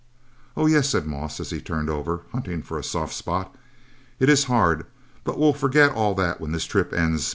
"Oh, yes," said Moss, as he turned over, hunting for a soft spot, "it is hard, but we'll forget all that when this trip ends.